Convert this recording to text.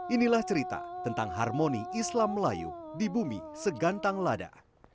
inilah cerita tentang harmoni islam melayu di bumi segantang lada